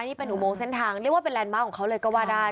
นี่เป็นอุโมงเส้นทางเรียกว่าเป็นแลนดมาร์คของเขาเลยก็ว่าได้